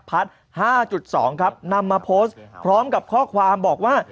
๕๒ครับนำมาโพสต์พร้อมกับข้อความบอกว่า